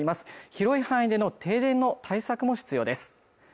広い範囲での停電の対策も必要です